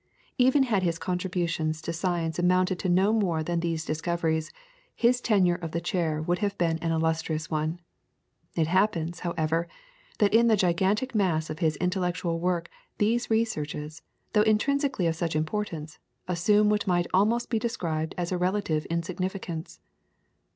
Even had his contributions to science amounted to no more than these discoveries, his tenure of the chair would have been an illustrious one. It happens, however, that in the gigantic mass of his intellectual work these researches, though intrinsically of such importance, assume what might almost be described as a relative insignificance.